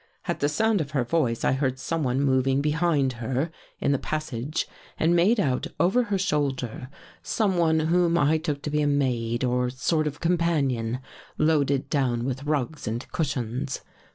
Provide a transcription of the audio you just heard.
At the sound of her voice, I heard someone moving behind her in the passage and made out over her shoulder, someone whom I took to be a maid or sort of com panion, loaded down with rugs and cushions.